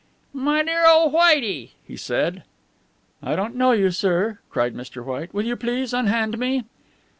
"My dear old Whitey," he said. "I don't know you, sir," cried Mr. White, "will you please unhand me?"